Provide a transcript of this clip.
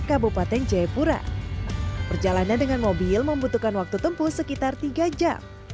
kabupaten jayapura perjalanan dengan mobil membutuhkan waktu tempuh sekitar tiga jam